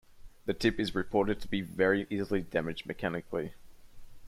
The tip is reported to be very easily damaged mechanically.